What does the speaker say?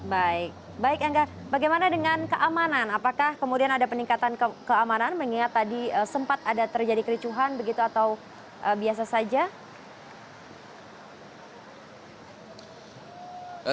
baik baik angga bagaimana dengan keamanan apakah kemudian ada peningkatan keamanan mengingat tadi sempat ada terjadi kericuhan begitu atau biasa saja